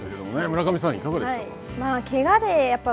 村上さん、いかがでしたか。